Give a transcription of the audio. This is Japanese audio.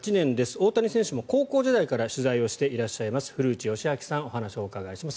大谷選手も高校時代から取材をしていらっしゃいます古内義明さんにお話をお伺いします